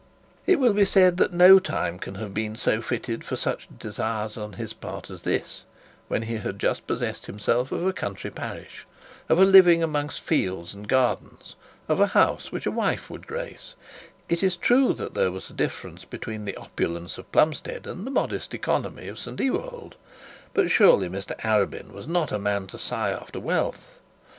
It will be said that no time can have been fitted for such desires on his part as this, of a living among fields and gardens, of a house which a wife would grace. It is true there was a difference between the opulence of Plumstead and the modest economy of St Ewold; but surely Mr Arabin was not a man to sigh after wealth!